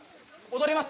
踊ります